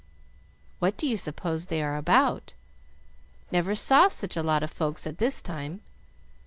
"What do you suppose they are about? Never saw such a lot of folks at this time.